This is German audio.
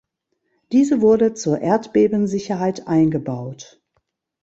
Diese wurde zur Erdbebensicherheit eingebaut.